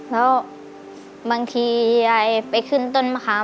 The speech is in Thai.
แล้วบางทียายไปขึ้นต้นมะขาม